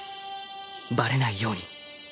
バレないように。